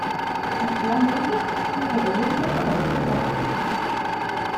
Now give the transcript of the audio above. Actualmente, cinco periódicos aparecen cada año.